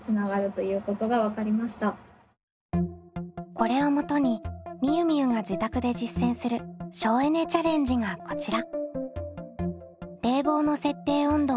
これをもとにみゆみゆが自宅で実践する省エネ・チャレンジがこちら。